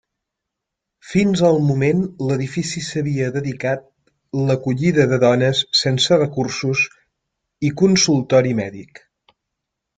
Fins al moment l'edifici s'havia dedicat l'acollida de dones sense recursos i consultori mèdic.